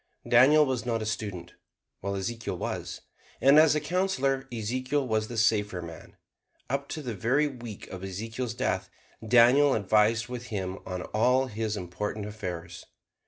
Daniel was not a student, while Ezekiel was; and as a counselor Ezekiel was the safer man. Up to the very week of Ezekiel's death Daniel advised with him on all his important affairs.